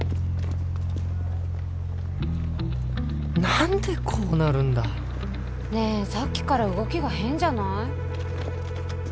何でこうなるんだねえさっきから動きが変じゃない？